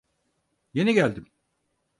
Yeni geldim.